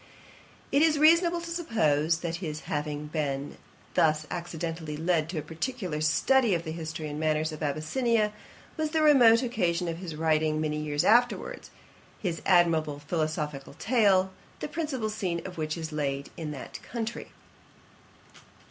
It is reasonable to suppose, that his having been thus accidentally led to a particular study of the history and manners of Abyssinia, was the remote occasion of his writing, many years afterwards, his admirable philosophical tale, the principal scene of which is laid in that country.